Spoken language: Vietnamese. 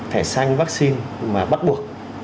thẻ xanh vaccine mà bắt buộc